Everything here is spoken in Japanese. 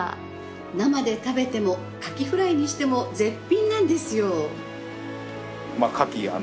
生で食べてもカキフライにしても絶品なんですよ！